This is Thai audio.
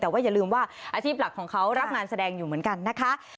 แต่ว่าอย่าลืมว่าอาชีพหลักของเขารับงานแสดงอยู่เหมือนกันนะคะ